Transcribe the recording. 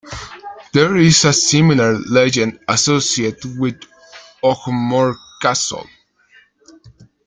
There is a similar legend associated with Ogmore Castle.